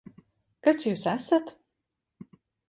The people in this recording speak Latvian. Kas Jūs esat?